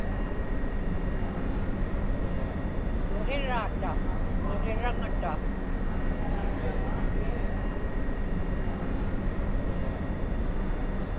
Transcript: Niġiraata, niġiraŋata.